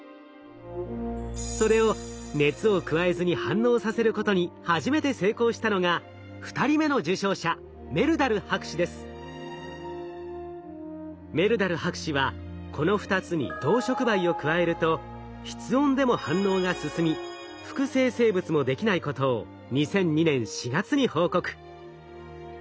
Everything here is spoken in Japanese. それを熱を加えずに反応させることに初めて成功したのが２人目の受賞者メルダル博士はこの２つに銅触媒を加えると室温でも反応が進み副生成物もできないことを２００２年４月に報告。